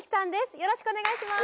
よろしくお願いします！